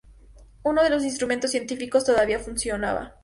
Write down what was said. Uno de los instrumentos científicos todavía funcionaba.